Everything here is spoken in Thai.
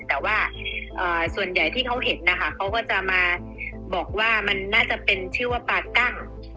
แต่ว่าส่วนใหญ่ที่เขาเห็นนะคะเขาก็จะมาบอกว่ามันน่าจะเป็นชื่อว่าปลากั้ง